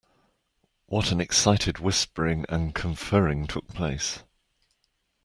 What an excited whispering and conferring took place.